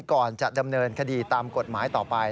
ก่อนจะดำเนินคดีตามกฎหมายต่อไป